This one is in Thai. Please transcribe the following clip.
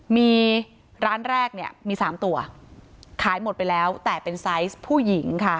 มีร้านแรกเนี่ยมี๓ตัวขายหมดไปแล้วแต่เป็นไซส์ผู้หญิงค่ะ